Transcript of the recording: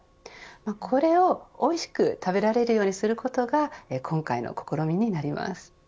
これをおいしく食べられるようにすることが今回の試みになります。